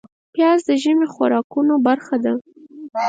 پیاز د ژمي خوراکونو برخه ده